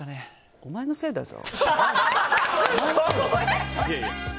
お前のせいだぞ。